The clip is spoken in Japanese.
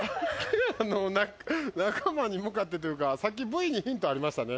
あの仲間に向かってというかさっきＶにヒントありましたね。